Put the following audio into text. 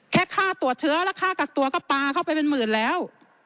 แค่ค่าตรวจเชื้อแล้วค่ากักตัวก็ปลาเข้าไปเป็นหมื่นแล้ว